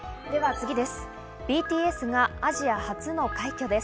次です。